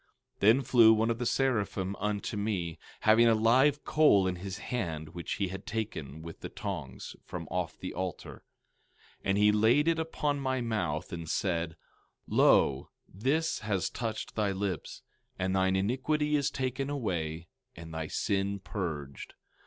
16:6 Then flew one of the seraphim unto me, having a live coal in his hand, which he had taken with the tongs from off the altar; 16:7 And he laid it upon my mouth, and said: Lo, this has touched thy lips; and thine iniquity is taken away, and thy sin purged.